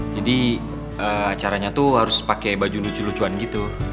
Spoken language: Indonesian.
jadi acaranya tuh harus pakai baju lucu lucuan gitu